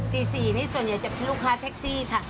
ตี๔นี่ส่วนใหญ่จะเป็นลูกค้าแท็กซี่ค่ะ